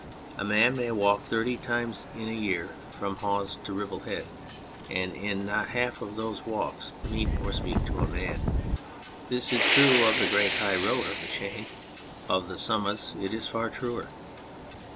A man may walk thirty times in a year 32 On Secluded Places from Hawes to Ribble Head and in not half those walks meet or speak to a man. This is true of the great high road across the chain, of the summits it is far truer.